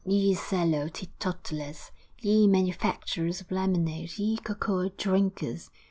ye sallow teetotalers, ye manufacturers of lemonade, ye cocoa drinkers!